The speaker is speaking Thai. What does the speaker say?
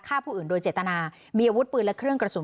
ฆ่าผู้อื่นโดยเจตนามีอาวุธปืนและเครื่องกระสุน